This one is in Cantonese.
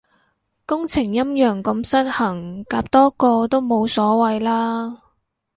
工程陰陽咁失衡，夾多個都冇所謂啦